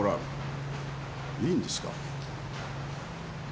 いいんですか？